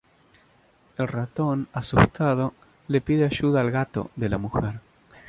El ratón, asustado, le pide ayuda al gato de la mujer.